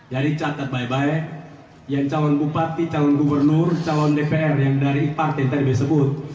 jadi catat baik baik yang calon bupati calon gubernur calon dpr yang dari partai partai tersebut